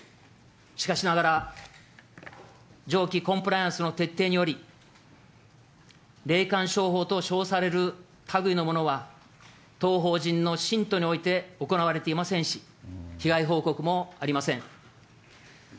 しかしながら、上記コンプライアンスの徹底により、霊感商法と称されるたぐいのものは、当法人の信徒において行われていませんし、被害報告もありません。